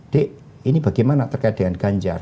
dek ini bagaimana terkait dengan ganjar